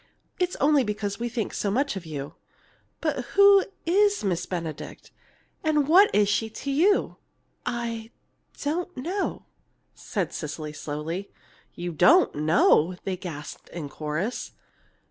It's only because we think so much of you. But who is Miss Benedict, and what is she to you?" "I don't know!" said Cecily slowly. "You don't know!" they gasped in chorus.